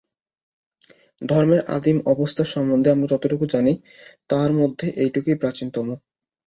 ধর্মের আদিম অবস্থা সম্বন্ধে আমরা যতটুকু জানি, তাহার মধ্যে এইটুকুই প্রাচীনতম।